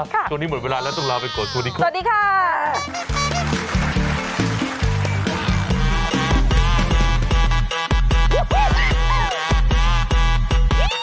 ค่ะตอนนี้หมดเวลาแล้วต้องลาไปก่อนสวัสดีค่ะสวัสดีค่ะสวัสดีค่ะ